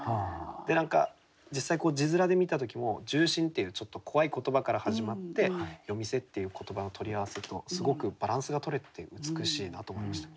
で何か実際字面で見たときも「銃身」っていうちょっと怖い言葉から始まって「夜店」っていう言葉の取り合わせとすごくバランスがとれてて美しいなと思いました。